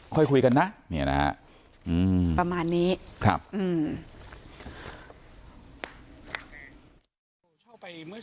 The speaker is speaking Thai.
ค่อยคุยกันนะเนี่ยนะฮะอืมประมาณนี้ครับอืม